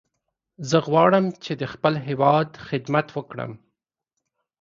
زه غواړم چې د خپل هیواد خدمت وکړم.